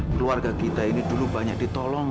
keluarga kita ini dulu banyak ditolong